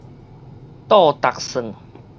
倒踏算